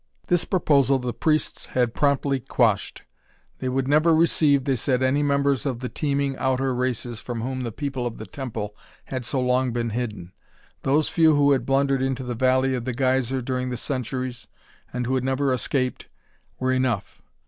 This proposal the priests had promptly quashed. They would never receive, they said, any members of the teeming outer races from whom the People of the Temple had so long been hidden. Those few who had blundered into the Valley of the Geyser during the centuries, and who had never escaped, were enough.